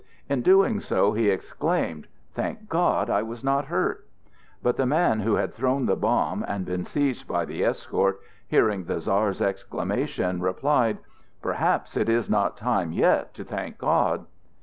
In doing so, he exclaimed: "Thank God, I was not hurt!" But the man who had thrown the bomb and been seized by the escort, hearing the Czar's exclamation, replied: "Perhaps it is not time yet to thank God!"